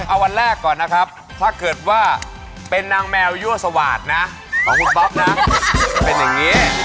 เอาวันแรกก่อนนะครับถ้าเกิดว่าเป็นนางแมวยั่วสวาดนะของคุณป๊อปนะเป็นอย่างนี้